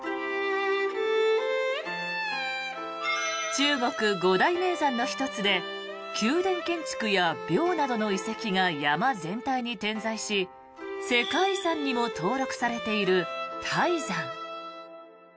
中国五大名山の１つで宮殿建築や廟などの遺跡が山全体に点在し世界遺産にも登録されている泰山。